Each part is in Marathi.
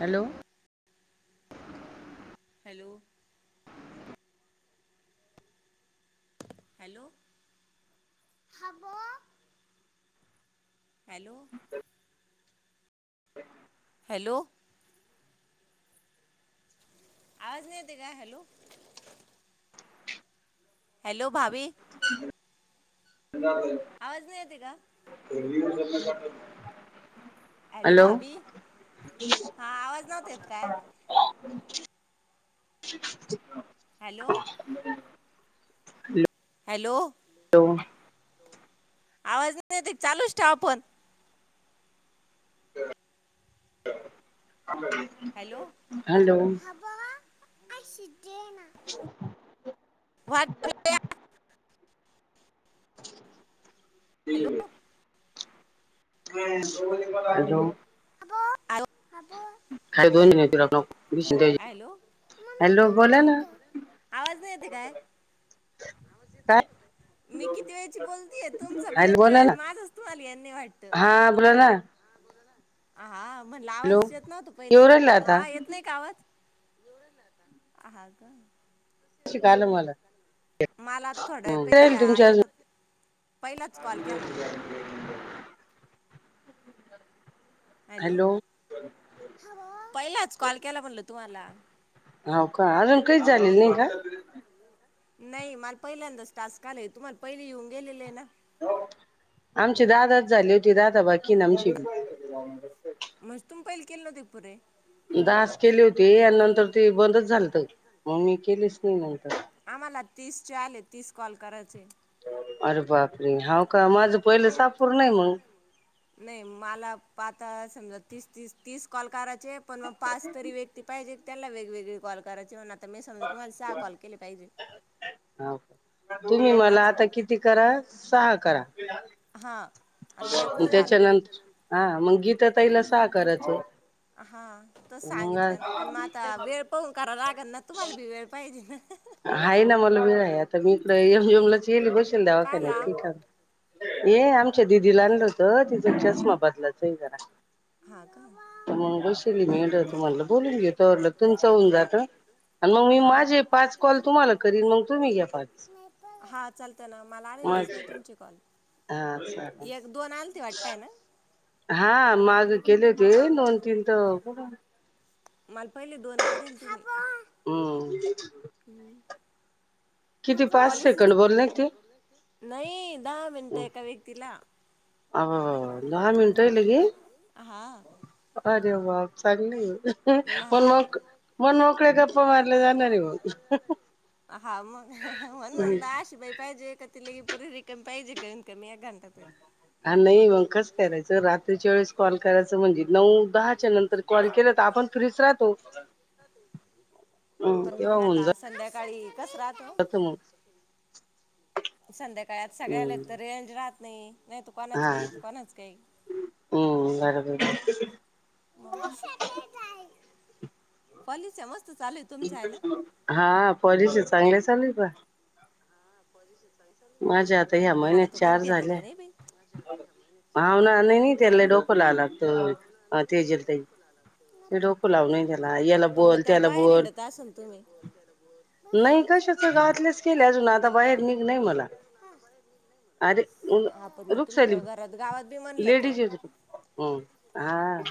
हॅलो हॅलो हॅलो हा बो हॅलो हॅलो आवाज नाही येत काय हॅलो? हॅलो भाभी आवाज नाही येते का [unintelligible] [unintelligible] हॅलो भाभी हा आवाज नव्हता येत काय? [inaudible] हॅलो ह. हॅलो हो आवाज नाही येते चालूच ठेवा फोन [unintelligible] हॅलो अशी ते [inaudible] [unintelligible] हॅलो [unintelligible] [unintelligible] [unintelligible] हॅलो हॅलो बोला ना आवाज नाही येते काय? काय मी किती वेळची बोलतेय तुमचा भी हॅलो बोला येतोय ना माझाचं तुम्हाला येत नाय वाटतयं. हा बोला ना आ. म्हणल हॅलो आवाजच येत नव्हता येऊ पहिले राहिला आता हा येत नाही का आवाज. हा का. शिकालं मला. माला थोडं पहिली राहील आ तुमच्या अजून येत होत पहिलाच कॉल केला. हॅलो पहिलाच कॉल केला म्हणल तुम्हाला. हो का अजून काही झालेल नाही का. नाही मला पहिल्यांदाच टास्क आलाय तुम्हाला पहिली येऊन गेलेले ना. आमचे दादा. झाली होती राधाबाकी ना आमची. केल ते पूरे. उदास. मग मी केलेच नाही नंतर आम्हाला तीस चे आले तीस. कॉल करायचे. अरे बापरे हाव का माझं पहिलं सापूर नाही मग नाही माला पा समजा तीस तीस तीस कॉल करायचे पण म पाच तरी वे. ती पाहिजे त्याना वेगवेगळे कॉल करायची म्हणा. मी समजा तुम्हाला सहा कॉल केले पाहिजे. हाव का तुम्ही मला आता किती करा सहा करा. हा! त्याच्यानंतर हा मग गीता ताईला सहा करायचं. हा! त मग सांगितलं ना पण म आता वेळ पहून करा लाग त्यांना तुम्हाला पण वेळ पाहिजे ना. [unintelligible] चल दवाखान्यात कायला पिठा. ये आमच्या दिदीला आणलं होत तिचा चष्मा बदलाच जरा हां का मग बसेल मी ईड त म्हणलं बोलून घे तवरलं तुमचं होऊन जात आण मंग मी हां माझे पाच. कॉल तुम्हाला करीन मग तुम्ही घ्या पाच हा चालतं ना मला आलेलेच नाही माझे तुमचे कॉल हा चालेल एक दोन आलती वाटताय ना. हा माग केले होते दोन तीन तर कुड. माल पहिले दोन करेल हम्म तिनी [inaudible] किती पाच पॉलिसीच सेकंड पाच बोलले सेकंद ते बोलले नाही दहा मिनट एका व्यक्तीला अबबब दहा मिनटं इ हा लगे जेव्हा चालली मन हा मोक मन मोकळे गप्पा मारले जाणार हो हा मग मग म्हण म्हणलं अशी बाई पाहिजे का तिल हि परी रिकामी पाहिजे कमी कमी घंटा तरी हा नाही मग कस करायचं रात्रीच्या वेळेस कॉल करायच म्हणजे नऊ दहाच्या नंतर कॉल केला तर आपण फ्रीच राहतो तेव्हा होऊन जा काळी कस राहत संध्या कळ्यात सगळ्या हम्म तर रेंज राह नई हा हम्म बरोबर तू शातार जाई पालीच मस् हा पॉलिसी चांगलेच चालेल का पॉलिशिच माझ्या आता ह्या महिन्यात चार झाल्या नाही बाई भाव ना नाही नाही हा त्याला ना डोक लावाय लागत तेज ते डोक लावून त्याला याला पण मग बोल त्याला बाहेर बोल हिंडत असन तुम्ही नाही कशाच गातलेच केले अजून आता बाहेर निगणय म अरे हा पण मग रुख तुम्ही सायली ग- घरात गावात बी म्हणलं तर लेडीज ये ते हम्म हा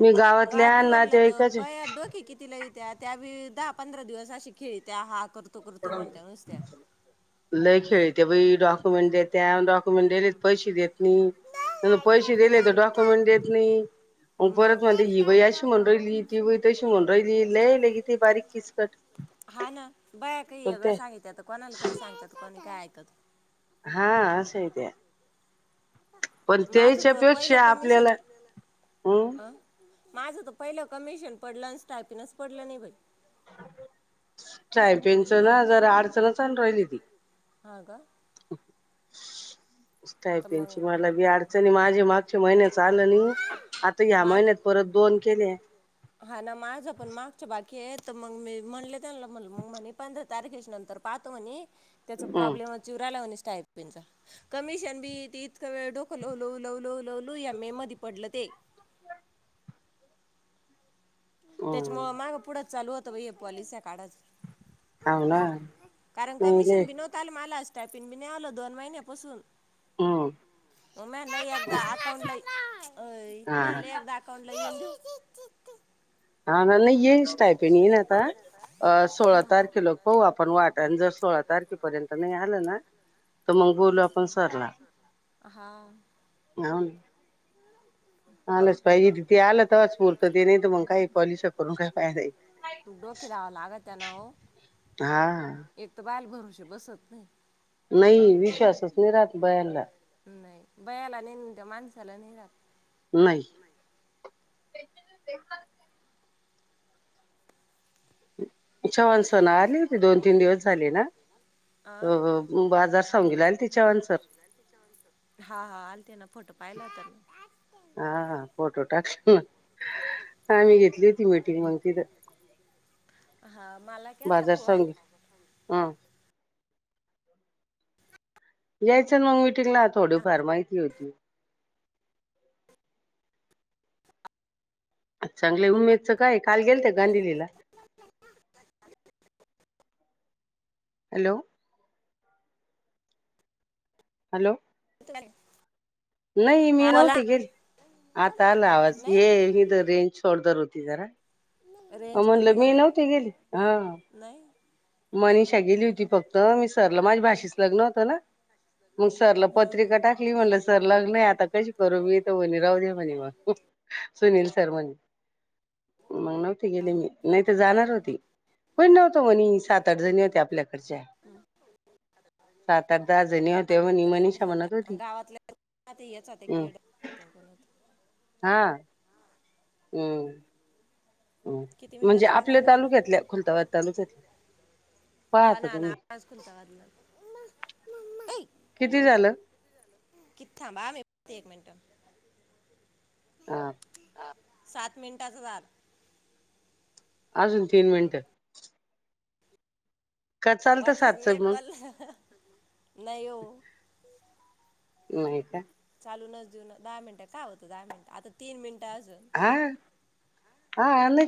मी गावात गावातल्या बी म्हणलं तर नातेवाईकचे बाया डोके किती लावी त्या त्या बी दहा पंधरा दिवस अशी खेळीत्या हा करु तो करतो म्हणत्या नुसत्या लय खेळत्या बाई डॉक्युमेंट देत्या, डॉक्युमेंट देले पैशे देत नई, अनं पैशे दिले तर डॉक्युमेंट देत नाही, परत मग म्हणते हि बाई अशी म्हनून राहिली, ती बई तशी म्हनून राहिली, लय लगि ती बारीक किचकट हा ना बाया काही येगळं बोलते सांगित्यात कोणाला काय सांगत्यात का काय ऐकत हा असय ते पण माझं तर पहिलं त्यायच्यापेक्षा कमिशन आपल्याला अम् माझं तर पहिलं कमिशन पडलं आणि स्टायफिनच पडलं नई बाई [inaudible] शाय पेनच दहा हजार आडचणच आणू राहिली ती हा का तर स्टायपिनची मग मला बी अडचण हे माझी मागच्या महिन्यात आलं नाही आता ह्या माझ महिन्यात परत दोन केले. केत मग मी म्हनले त्यांनला म्हणलं मग म्हणे पंधरा तारखेश नंतर पाहतो म्हणे त्याचा हम् प्रॉब्लेमच येऊ राहिला म्हणे टायपिंचा कमिशन मी ती इतक वेळ डोक लव लू लव लू लव लू या मे मध्ये पडलं ते. हम् त्याचामुळे माग पुढं चालू होतं बाई हे पॉलिस्या काढाच हाव ना कारण नाहीले कमिशन बि नवताल मला अ टायपिंन बि नाही आल दोन महिन्यापासून हम्म म्हंटल एकटा अकाऊंटला ये अय हा मी म्हंटल एकदा अकाऊंट [inaudible] हा ना नाही ये स्टायपिन येईन आता. अं सोळा तारखे लोक पाहू आपण वाट आन जर सोळा तारखेपर्यंत नाही आलं ना तर मग बोलू आपण सरला. हा [inaudible] आलंच पाहिजे तिथे आलं तरच पुरतं ते नाही तर मग काही पॉलिश करून काय फायदा आहे डोके लावा लागत्या ना हो. हा. एक तर बाल भरू तसे बसत नाही. नाही विश्वासच नाही राहत बायानला. नाही बयाला नई अन त्या माणसाला नाही राहत. नाही. चव्हाण सण आले होते दोन तीन दिवस झाले ना आ? बाजार सांगीला आले ते चव्हाण सर हा, हा. आलते ना. फोटो पाहिलावता मी. हा फोटो टाकल ना. आम्ही घेतली होती मिटिंग, मग तिथ ना हा मला केलता बाजार फोन संघ हा यायचं ना मग ना थोडी फार माहिती होती. चांगलंय उमेदचं काय काल गेलत गांधिजीला? हॅलो. हॅलो. [inaudible] नाही मी हा बोला नव्हती गे आता आला आवाज नाही ये इथं रेंज सोड धर होती जरा. अ रेंज म्हणलं कमी मी काय गं? नव्हती गेली हा नाही मनिषा गेली होती फक्त मी सरला माझ्या भाचीच लग्न होतं ना मग सरला हं हं पत्रिका टाकली म्हणलं सर लग्न आहे आता कशी करू मी तर वनी राह दे म्हणे मग सुनील सर म्हणले मग नव्हती गेले मी नाही तर जाणार होती कोण नव्हत म्हणी सात आठ जणी होते्या आपल्याकडच्या सात आठ दहा जणी होते म्ह तर मनीषा म्हणत त्यांच्यासाठी होती गावातल्या ते येच होते हम् केड तो कोण होता हा हम्म किती म्हणजे मिनिटाचा कॉल आपल्या झाला गं? तालुक्यातल्या खुलताबाद तालुक्यातल्या हा पाहता ना ना तुम्ही आवाज कोणता वाजला ऐ किती झालं किती थांबा मी बगते एक मिनट हा सात मिनिटाचा झालं अजून तीन मिनट चालतं वाटलंच मी सातचं एक मग कॉल नाही ओ नाही का खाऊन जेवून दहा मिनट का होतं दहा मिनट आता तीन मिनट [unintelligible] त्याज हा हा आलय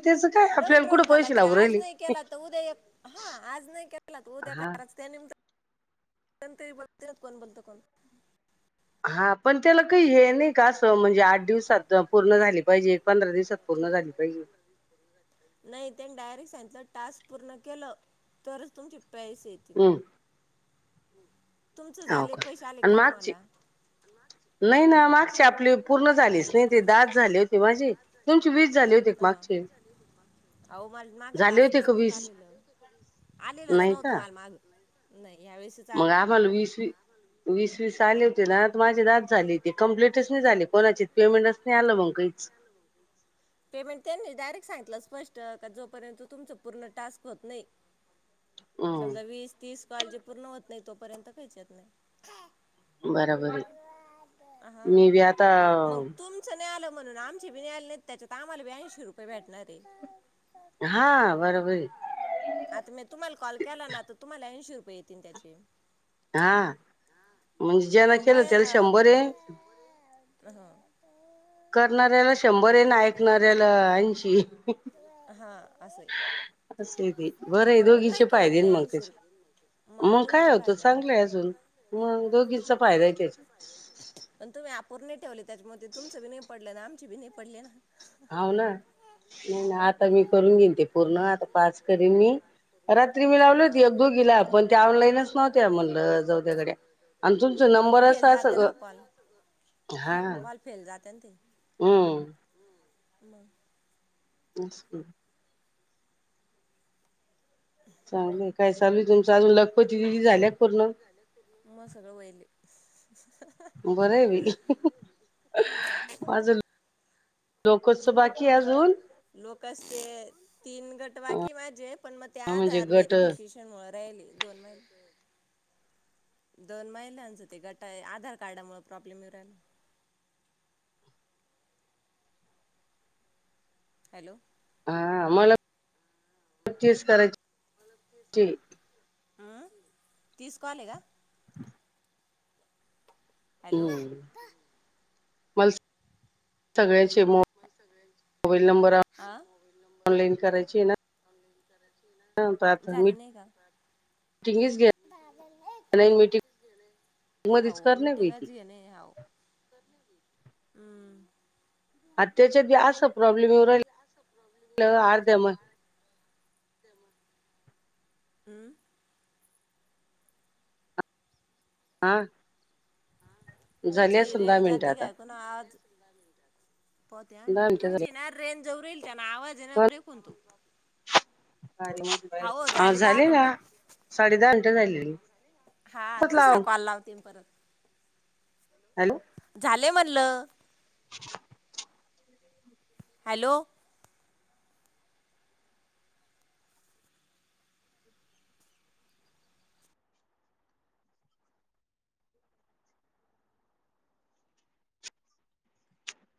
राहून राहून कलाची आज नाही केला तर उद्या हा आज नाही केला तर उद्या हा कच त्याम [unintelligible] हा पण त्याला काही हे नाही का असं म्हणजे आठ दिवसात पूर्ण झाली पाहिजे पंधरा दिवसात पूर्ण झाली पाहिजे नाही त्यांनी डायरेक्ट सांगितलं टास्क पूर्ण केलं तरच तुमची पैसे येत ह का आणि मागची तुम्हाला नाही ना माग नाय माझे टास्क पूर्ण झाले होते माझे तुमची वीस झाले होते का मागचे वीस झाले होते ह माग झाले होते टस्कच का नव्हत वीस आलेलं आलेलंच नव्हतं मला माग नाही यावेळेसच मंग आलं आम्हाला वीस वीस वीस वीस आले माझी ना दहा च झाली कप्ली पेमेंटच नाही झाले कोणाचे काहीच पेमेंट त्यांनी डायरेक्ट सांगितलं स्प जर का जोपर्यंत तुमच पूर्ण टास्क होत नाही समजा हम्म वीस तीस काळजी पूर्ण होत नाही तोपर्यंत घ्यायचाच नाय बराबर आहे मी व आता मग तुमचं नाही आलं म्हणून आमचे बी नल त्याच्यात आम्हाला ब्यांशी रुपये भेटणार ये हा बरोबरय आता म्या तुम्हाला कॉल केला ना तुम्हाला ऐंशी रु येतीन त्याचे हा म्हणजे पण ज्याला मग केलं बयान त्याला शंभरय [unintelligible] हा करणाऱ्याला शंभरय आणि ऐकणाऱ्याला ऐंशीय हा असं आहे असंय ते बर पण मग दोघीचे काही कवत फायदे नाही मग ऐंशी रुपये त्याचे मग काय दोघीचे होतं फायदा चांगलंय राहतात अजून मग दोघी घीचा [unintelligible] फायदाय त्यांच्य पुरणीत ठेवले त्याच्यामध्ये तुमं बी नइ पडलं आण आम चीबी नाय पडले ना हाव ना नाय नाय आता मी करून घेईन ते पूर्ण आता पाच करीन मी, रात्री मी लावली होती हा एक दोघीला पण ते ऑनलाईनच नव्हत्या म्हटलं ते जाऊदे गड्या. आणि तुमचा मग नंबर फेल असा जाते अ ना कॉल हा, कॉल फेल जाते ना ते ह‌्म मग ओस की चालूय काय च म सगळं वहिले. बरंय बाई ह‌्, ह, ह हाव माझं लोकोत्स बाकीय अजून लोकच ते तीन गटवा कि माझेत पण म ते म्हणजे आधार गट व्हेरिफिकेशन मुळत दयली दोन महि दोन महिलांचं ते गट आधार कार्डामुळे प्रॉब्लेम येऊ राहिला हॅलो हा मला [inaudible] तेच करायची की अ तीस काॅलय का? हॅलो मम्मा हम्म पा सगळे चे मोबाईल नंबर हा ऑनलाईन करायचे ना ह का आता झाले नाही का मिटिंगच ग्या ऑलाईन मीटिंग मधीच हो करणार बाई ती हम्म आ त्याच्या बी असा प्रॉब्लेम येउ राहिला अर्ध्या म ते मग हूं आ तुमची रेंज मिनिटं जाती आता का कुणा आवाज पोहते आ मी दहा मिनिटं झाली तुमची ना रेंज जाऊ राहिली. [unintelligible] हा झाले दहा साडे दहा मिनटं झाले. हा दुसरा कॉल लावते मी परत हॅलो झालं ये म्हणलं [inaudible] हॅलो